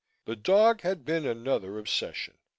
The dog had been another obsession.